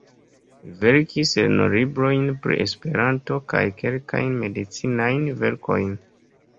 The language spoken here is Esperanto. Li verkis lernolibrojn pri Esperanto kaj kelkajn medicinajn verkojn.